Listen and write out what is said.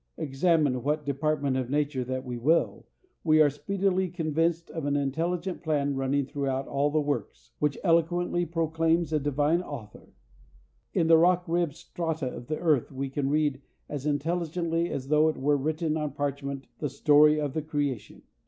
Examine what department of nature that we will, we are speedily convinced of an intelligent plan running throughout all the works, which eloquently proclaims a divine author. In the rock ribbed strata of the earth we can read as intelligently as though it were written on parchment the story of the creation.